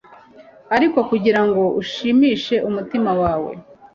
ariko kugirango ushimishe umutima wawe